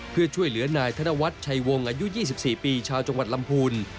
เพื่อช่วยเหลือนายธนวัฒน์ชัยวงศ์อายุ๒๔ปีชาวจังหวัดลำพูน